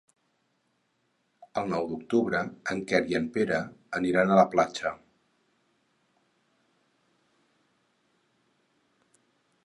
El nou d'octubre en Quer i en Pere aniran a la platja.